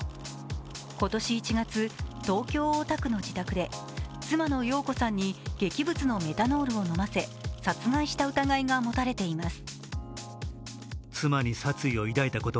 今年１月、東京・大田区の自宅で、妻の容子さんに劇物のメタノールを飲ませ殺害した疑いが持たれています。